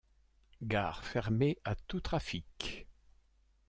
Gare fermée à tous trafics.